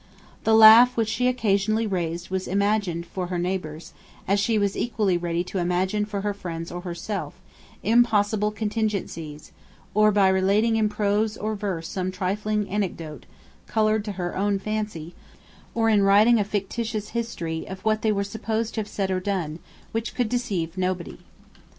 The laugh which she occasionally raised was by imagining for her neighbours, as she was equally ready to imagine for her friends or herself, impossible contingencies, or by relating in prose or verse some trifling anecdote coloured to her own fancy, or in writing a fictitious history of what they were supposed to have said or done, which could deceive nobody.